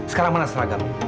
sekarang mana seragam